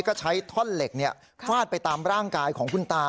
ก็ใช้ท่อนเหล็กฟาดไปตามร่างกายของคุณตา